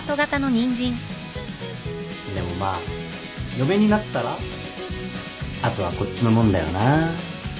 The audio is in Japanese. でもまあ嫁になったらあとはこっちのもんだよなあ。